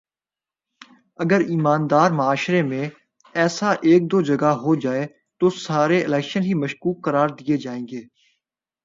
اگر ایماندار معاشرے میں ایسا ایک دو جگہ ہو جائے تو سارے الیکشن ہی مشکوک قرار دے دیئے جائیں گے